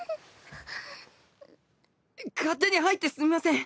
勝手に入ってすみません！